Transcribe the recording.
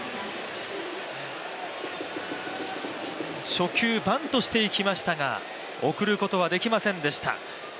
初球、バントしていきましたが送ることはできませんでした。